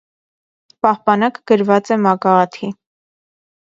Պահպանակը գրված է՝ մագաղաթի։